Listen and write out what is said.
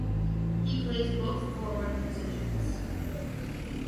He plays both forward positions.